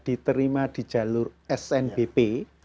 diterima di jalur snbp